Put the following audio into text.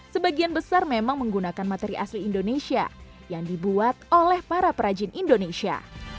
sebagian besar memang menggunakan materi asli indonesia yang dibuat oleh para perajin indonesia